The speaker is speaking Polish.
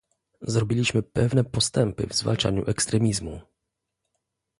Zrobiliśmy pewne postępy w zwalczaniu ekstremizmu